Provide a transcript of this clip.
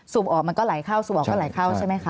ออกมันก็ไหลเข้าสูบออกก็ไหลเข้าใช่ไหมคะ